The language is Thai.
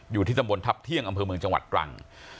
อยู่ที่ตำบลทัพเที่ยงอำเภอเมืองจังหวัดตรัง